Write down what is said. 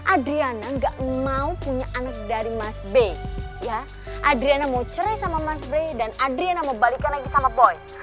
adriana gak mau punya anak dari mas b ya adriana mau cerai sama mas bray dan adriana mau balikin lagi sama boy